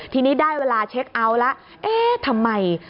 ทีนี้ได้เวลาเช็คเอาท์แล้วเอ๊ะทำไม